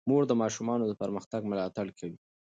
مور د ماشومانو د پرمختګ ملاتړ کوي.